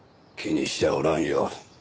気にしちゃおらんよ。